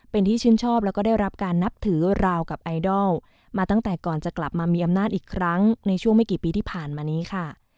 เป็นที่ชื่นชอบแล้วก็ได้รับการนับถือราวกับไอดอลมาตั้งแต่ก่อนจะกลับมามีอำนาจอีกครั้งในช่วงไม่กี่ปีที่ผ่านมานี้ค่ะ